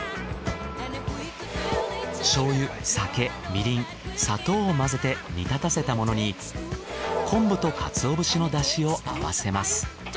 醤油酒みりん砂糖を混ぜて煮立たせたものに昆布とかつお節の出汁を合わせます。